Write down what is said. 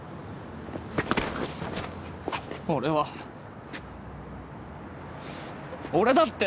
俺は俺だって。